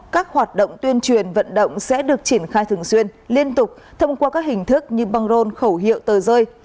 các hoạt động tuyên truyền vận động sẽ được triển khai thường xuyên liên tục thông qua các hình thức như băng rôn khẩu hiệu tờ rơi